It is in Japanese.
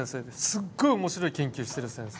すっごい面白い研究している先生。